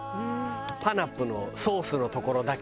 パナップのソースの所だけ。